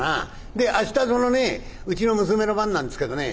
「で明日そのねうちの娘の番なんですけどね